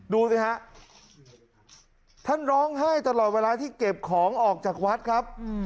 ดูสิฮะท่านร้องไห้ตลอดเวลาที่เก็บของออกจากวัดครับ